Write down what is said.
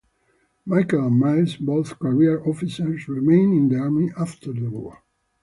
Michael and Miles, both career officers, remained in the army after the war.